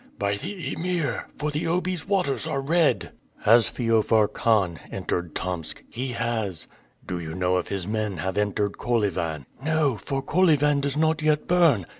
"By the Emir; for the Obi's waters are red." "Has Feofar Khan entered Tomsk?" "He has." "Do you know if his men have entered Kolyvan?" "No; for Kolyvan does not yet burn."